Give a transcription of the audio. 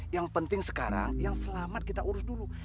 yang penting sekarang yang selamat kita urus dulu